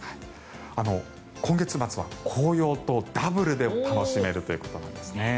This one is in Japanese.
今月末は紅葉とダブルで楽しめるということなんですね。